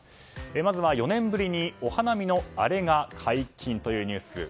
まずは４年ぶりにお花見の、あれが解禁というニュース。